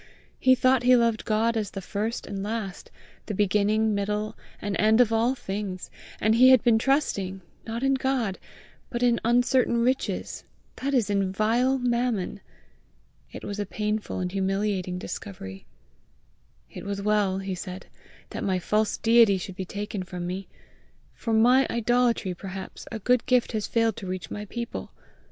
He thought he loved God as the first and last, the beginning, middle, and end of all things, and he had been trusting, not in God, but in uncertain riches, that is in vile Mammon! It was a painful and humiliating discovery. "It was well," he said, "that my false deity should be taken from me! For my idolatry perhaps, a good gift has failed to reach my people!